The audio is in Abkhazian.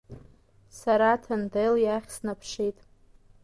Сара Ҭандел иахь снаԥшит.